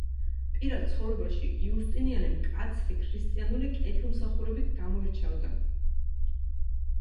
პირად ცხოვრებაში იუსტინიანე მკაცრი ქრისტიანული კეთილმსახურებით გამოირჩეოდა.